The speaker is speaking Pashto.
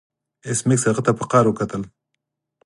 ایس میکس هغه ته په قهر وکتل